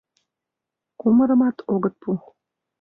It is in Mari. — Кумырымат огыт пу.